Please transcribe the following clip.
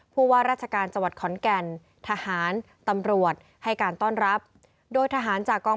ผู้ว่าราชการจังหวัดขอนแก่นทหารตำรวจให้การต้อนรับโดยทหารจากกอง